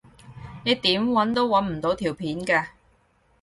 你點搵都搵唔到條片㗎